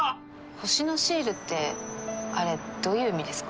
星のシールってあれどういう意味ですか？